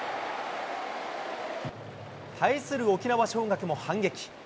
対する沖縄尚学も反撃。